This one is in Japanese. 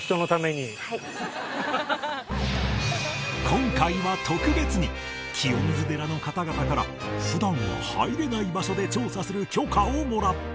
今回は特別に清水寺の方々から普段は入れない場所で調査する許可をもらった